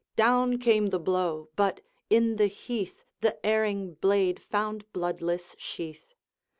Down came the blow! but in the heath The erring blade found bloodless sheath.